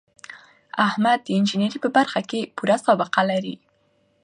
احمد د انجینرۍ په برخه کې پوره سابقه لري.